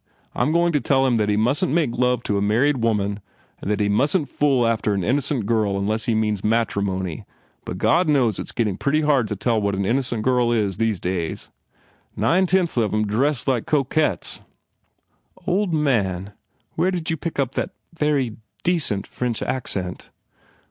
I m going to tell him that he mustn t make love to a married woman and that he mustn t fool after an innocent girl unless he means matrimony but God knows it s getting pretty hard to tell what an innocent girl is, these days! Nine tenths of em dress like cocottes." "Old man, where did you pick up that very de cent French accent?"